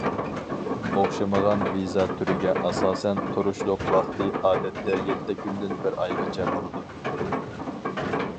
ئوخشىمىغان ۋىزا تۈرىگە ئاساسەن، تۇرۇشلۇق ۋاقتى ئادەتتە يەتتە كۈندىن بىر ئايغىچە بولىدۇ.